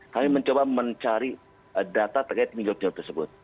kami mencoba mencari data terkait pinjol pinjol tersebut